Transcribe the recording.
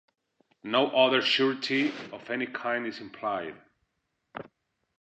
No other surety of any kind is implied.